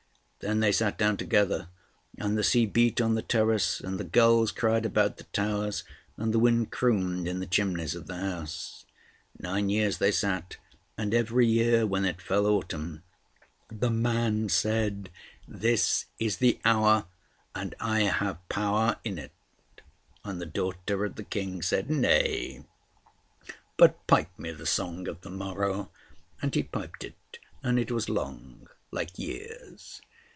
Then they sat down together; and the sea beat on the terrace, and the gulls cried about the towers, and the wind crooned in the chimneys of the house. Nine years they sat, and every year when it fell autumn, the man said, "This is the hour, and I have power in it"; and the daughter of the King said, "Nay, but pipe me the song of the morrow". And he piped it, and it was long like years.